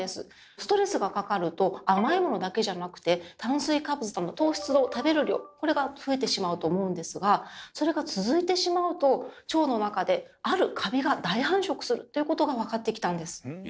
ストレスがかかると甘いものだけじゃなくて炭水化物などの糖質を食べる量これが増えてしまうと思うんですがそれが続いてしまうとということが分かってきたんです。